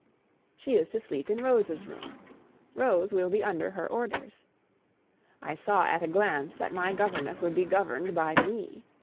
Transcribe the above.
She is to sleep in Rose's room. Rose will be under her orders. I saw at a glance that my governess would be governed by me.